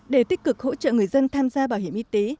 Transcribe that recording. để tích cực hỗ trợ người dân tham gia bảo hiểm y tế